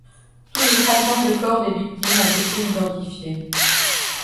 Tous les fragments de corps des victimes ont été identifiés.